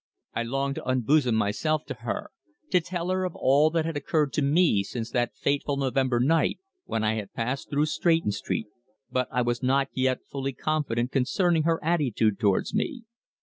I longed to unbosom myself to her to tell her of all that had occurred to me since that fateful November night when I had passed through Stretton Street, but I was not yet fully confident concerning her attitude towards me.